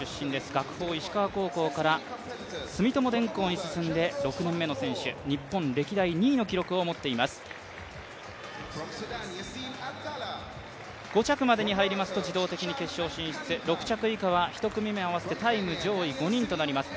学法石川高校から住友電工に進んで日本歴代２位の記録を持っています５着までに入りますと自動的に決勝進出、６着以下は１組目合わせてタイム上位５人となります。